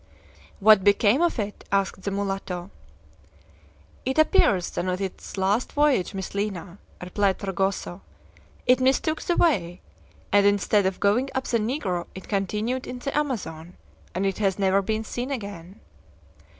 "What became of it?" asked the mulatto. "It appears that on its last voyage, Miss Lina," replied Fragoso, "it mistook the way, and instead of going up the Negro it continued in the Amazon, and it has never been seen again."